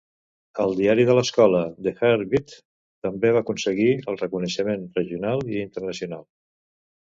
El diari de l'escola, The Heart Beat, també va aconseguir el reconeixement regional i internacional.